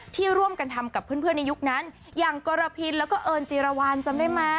ที่ร่วมกันทำกับเพื่อนในยุคนั้นอย่างกรพินแล้วก็เอิญจีรวรรณจำได้ไหม